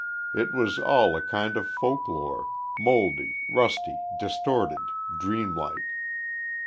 It was all a kind of folk lore mouldy, rusty, distorted, dreamlike.